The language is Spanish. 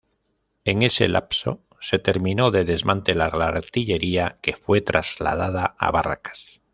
En ese lapso se terminó de desmantelar la artillería que fue trasladada a Barracas.